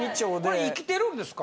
これいきてるんですか？